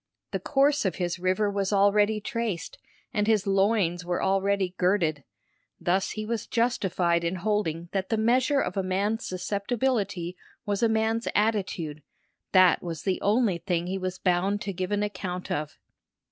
The course of his river was already traced and his loins were already girded. Thus he was justified in holding that the measure of a man's susceptibility was a man's attitude: that was the only thing he was bound to give an account of.